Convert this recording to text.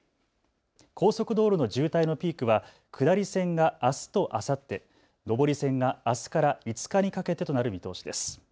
高速道路の渋滞のピークは下り線があすとあさって、上り線があすから５日にかけてとなる見通しです。